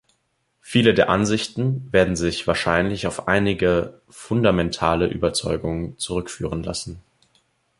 Viele der Ansichten werden sich wahrscheinlich auf einige fundamentale Überzeugungen zurückführen lassen.